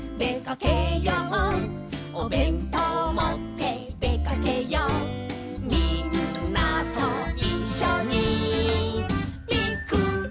「おべんとうもってでかけよう」「みんなといっしょにピクニック」